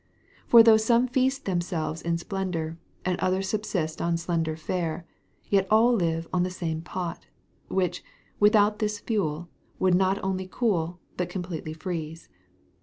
For though some feast themselves in splendour, and others subsist on slender fare, yet all live on the same pot, which, without this fuel, would not only cool, but completely freeze.